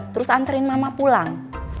terus anterin mama pulang